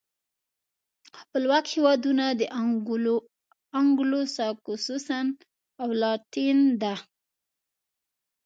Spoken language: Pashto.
خپلواک هېوادونه انګلو ساکسوسن او لاتین دي.